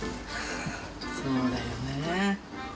そうだよね。